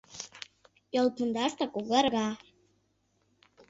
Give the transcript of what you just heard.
Йол пундашда когарга.